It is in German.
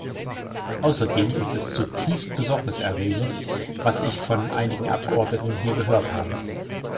Außerdem ist es zutiefst besorgniserregend, was ich von einigen Abgeordneten hier gehört habe.